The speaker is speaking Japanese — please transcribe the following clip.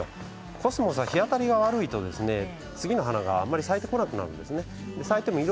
コスモスは日当たりが悪いと次の花が咲いてこなくなるんです。